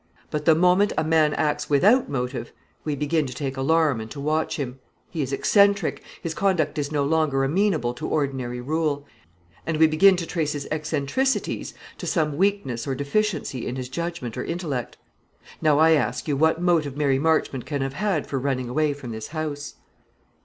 But the moment a man acts without motive, we begin to take alarm and to watch him. He is eccentric; his conduct is no longer amenable to ordinary rule; and we begin to trace his eccentricities to some weakness or deficiency in his judgment or intellect. Now, I ask you what motive Mary Marchmont can have had for running away from this house?"